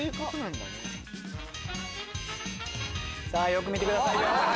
よく見てくださいよ。